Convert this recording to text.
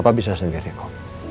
papa bisa sendiri kok